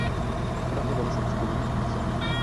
Creo que vamos a descubrir eso.